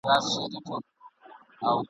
په غضب یې کړه ور ږغ چي ژر سه څه کړې ..